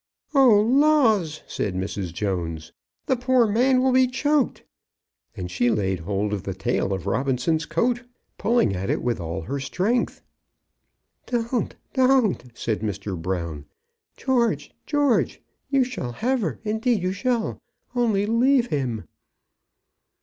"Oh, laws," said Mrs. Jones. "The poor man will be choked," and she laid hold of the tail of Robinson's coat, pulling at it with all her strength. "Don't, don't," said Mr. Brown. "George, George, you shall have her; indeed you shall, only leave him."